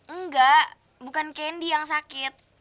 enggak bukan kendi yang sakit